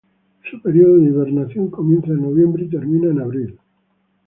Su período de hibernación comienza en noviembre y termina en abril.